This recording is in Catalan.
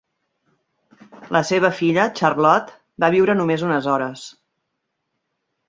La seva filla, Charlotte, va viure només unes hores.